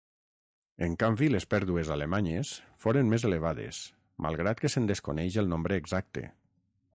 En canvi les pèrdues alemanyes foren més elevades, malgrat que se'n desconeix el nombre exacte.